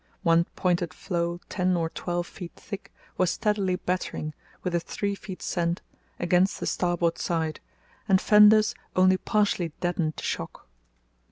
One pointed floe ten or twelve feet thick was steadily battering, with a three feet send, against the starboard side, and fenders only partially deadened the shock.